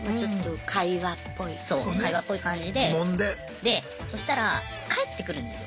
でそしたら返ってくるんですよ。